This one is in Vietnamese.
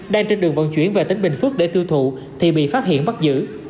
đang trên đường vận chuyển về tỉnh bình phước để tiêu thụ thì bị phát hiện bắt giữ